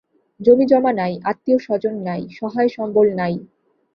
জমিজমা নাই, আত্মীয়স্বজন নাই, সহায়-সম্বল নাই।